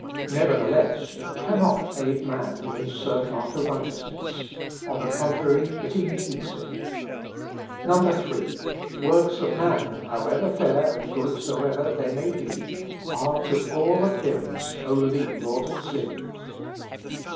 Nevertheless, it cannot aid man in his search after righteousness; on the contrary, it impedes him. 3. "Works of man, how fair and good soever they may be, are, to all appearance, only mortal sins.